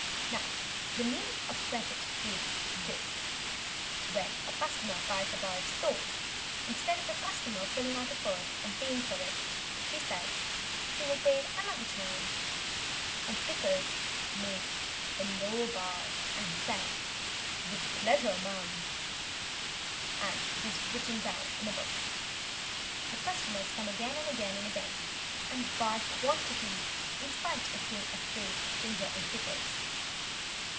Now the meaning of "credit" is this when a customer buys a bar of soap, instead of the customer pulling out a purse and paying for it she says she will pay another time. And Pickles makes a low bow and says, "With pleasure, madam," and it is written down in a book. The customers come again and again, and buy quantities, in spite of being afraid of Ginger and Pickles.